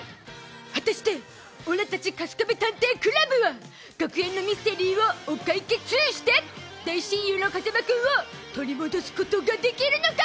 果たしてオラたちカスカベ探偵倶楽部は学園のミステリーをお解決して大親友の風間君を取り戻すことができるのか。